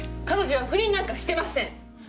彼女は不倫なんかしてません！